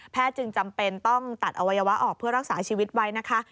จึงจำเป็นต้องตัดอวัยวะออกเพื่อรักษาชีวิตไว้นะคะ